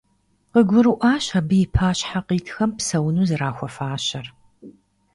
КъыгурыӀуащ абы и пащхьэ къитхэм псэуну зэрахуэфащэр.